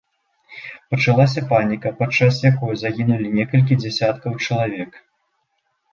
Пачалася паніка, падчас якой загінулі некалькі дзясяткаў чалавек.